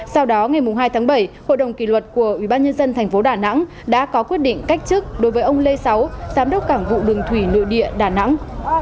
sau đó ngày hai tháng bảy hội đồng kỷ luật của ubnd tp đà nẵng đã có quyết định cách chức đối với ông lê sáu giám đốc cảng vụ đường thủy nội địa đà nẵng